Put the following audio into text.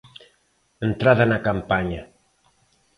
Entrada na campaña.